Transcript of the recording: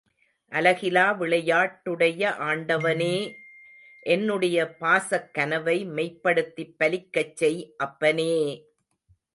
அலகிலா விளையாட்டுடைய ஆண்டவனே! –என்னுடைய பாசக்கனவை மெய்ப்படுத்திப் பலிக்கச் செய், அப்பனே!?